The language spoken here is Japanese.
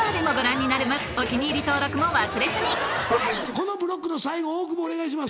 このブロックの最後大久保お願いします。